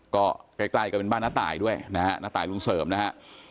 ก็ใกล้ก็เป็นบ้านน้าตายด้วยนะฮะน้าตายลุงเสริมนะฮะ